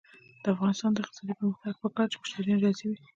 د افغانستان د اقتصادي پرمختګ لپاره پکار ده چې مشتریان راضي وي.